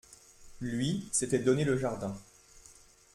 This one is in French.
Lui, s'était donné le jardin.